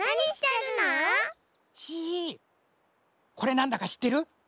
これなんだかしってる？